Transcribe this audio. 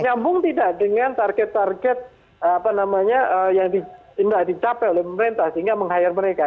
nyambung tidak dengan target target apa namanya yang sudah dicapai oleh pemerintah sehingga meng hire mereka